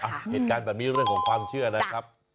เหตุการณ์แบบนี้เรื่องของความเชื่อนะครับ